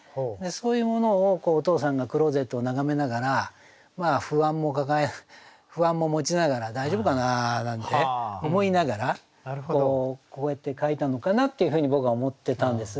そういうものをお父さんがクローゼットを眺めながら不安も持ちながら「大丈夫かな？」なんて思いながらこうやって書いたのかなっていうふうに僕は思ってたんです。